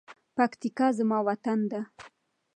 پکتیکا زما وطن ده.